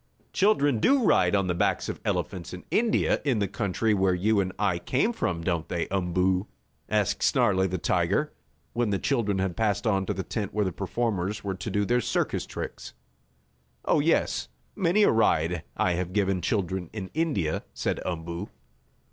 "Children do ride on the backs of elephants in India, the country where you and I came from, don't they, Umboo?" asked Snarlie, the tiger, when the children had passed on to the tent where the performers were to do their circus tricks. "Oh, yes, many a ride I have given children in India," said Umboo.